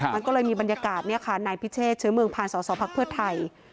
มันก็เลยมีบรรยากาศนายพิเชษเชื้อเมืองผ่านสอสอภักดิ์เพื่อไทย